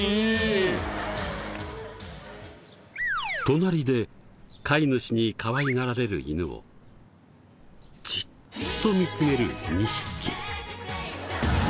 隣で飼い主にかわいがられる犬をじっと見つめる２匹。